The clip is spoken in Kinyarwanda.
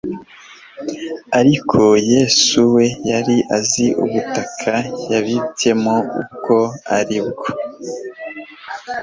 Ariko Yesu we yari azi ubutaka yabibyemo ubwo ari bwo.